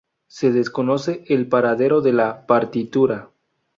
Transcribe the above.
Se desconoce el paradero de la partitura.